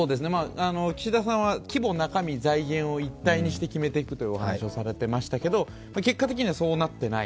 岸田さんは規模・中身・財源を一体にして決めていくというお話をされていましたけど結果的にはそうなってない。